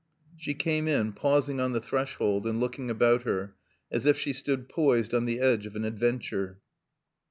She came in, pausing on the threshold and looking about her, as if she stood poised on the edge of an adventure.